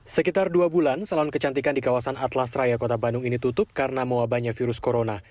sekitar dua bulan salon kecantikan di kawasan atlas raya kota bandung ini tutup karena mewabahnya virus corona